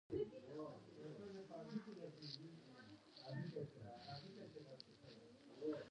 په بدن کې تر ټولو زیات حرکت کوونکی بند د اوږې بند دی.